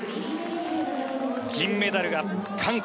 銀メダルが韓国。